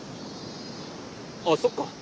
あっそっか。